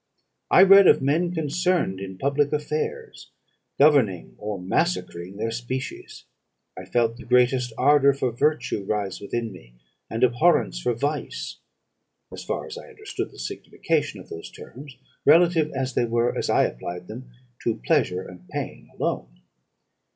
I read of men concerned in public affairs, governing or massacring their species. I felt the greatest ardour for virtue rise within me, and abhorrence for vice, as far as I understood the signification of those terms, relative as they were, as I applied them, to pleasure and pain alone.